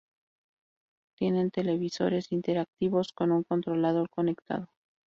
Tienen televisores interactivos con un controlador conectado.